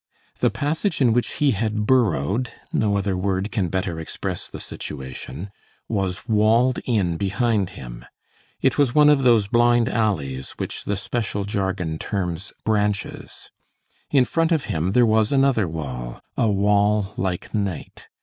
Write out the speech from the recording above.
The passage in which he had burrowed—no other word can better express the situation—was walled in behind him. It was one of those blind alleys, which the special jargon terms branches. In front of him there was another wall, a wall like night.